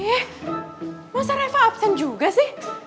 yeh masa reva absen juga sih